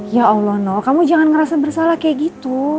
ya allah nok kamu jangan ngerasa bersalah kayak gitu